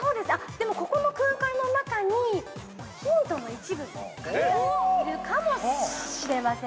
でも、ここの空間の中にヒントの一部も隠されているかもしれません。